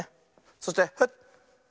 そしてフッ。